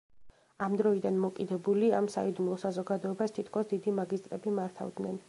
ამდროიდან მოკიდებული ამ „საიდუმლო საზოგადოებას“ თითქოს დიდი მაგისტრები მართავდნენ.